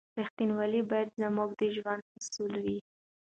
رښتینولي باید زموږ د ژوند اصل وي.